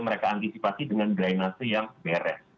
mereka antisipasi dengan drainase yang beres